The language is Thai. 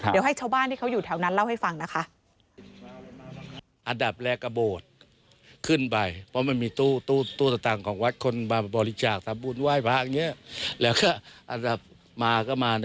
เดี๋ยวให้ชาวบ้านที่เขาอยู่แถวนั้นเล่าให้ฟังนะคะ